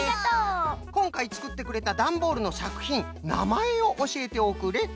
こんかいつくってくれたダンボールのさくひんなまえをおしえておくれ。